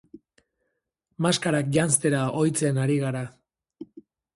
Maskarak janztera ohitzen ari gara.